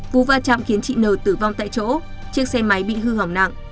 vụ va chạm khiến chị n t n tử vong tại chỗ chiếc xe máy bị hư hỏng nặng